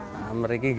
selamat pagi juga